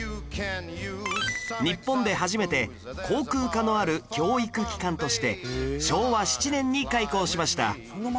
日本で初めて航空科のある教育機関として昭和７年に開校しました